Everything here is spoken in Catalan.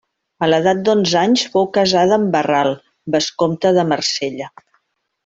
A l'edat d'onze anys fou casada amb Barral, vescomte de Marsella.